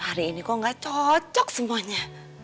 hari ini kok gak cocok semuanya